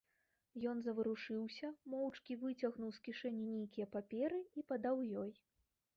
Ён заварушыўся, моўчкі выцягнуў з кішэні нейкія паперы і падаў ёй.